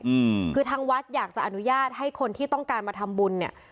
อืมคือทางวัดอยากจะอนุญาตให้คนที่ต้องการมาทำบุญเนี้ย